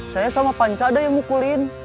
saya sama panca ada yang mukulin